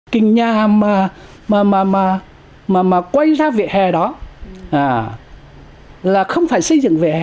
cái nhà mà quay ra vỉa hè đó là không phải xây dựng vỉa hè